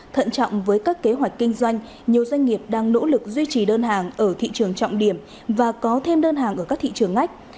thận trọng với các kế hoạch kinh doanh nhiều doanh nghiệp đang nỗ lực duy trì đơn hàng ở thị trường trọng điểm và có thêm đơn hàng ở các thị trường ngách